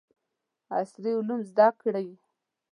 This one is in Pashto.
عصري علوم زده کړي.